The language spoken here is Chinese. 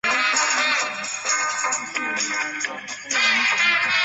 邓子恢当时任中共中南局第三书记兼中国人民解放军中南军区第二政治委员。